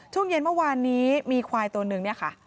ช่วงเย็นเมื่อวานนี้มีควายตัวนึงเนี่ยค่ะ